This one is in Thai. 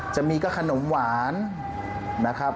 จะมีก็ขนมหวานนะครับ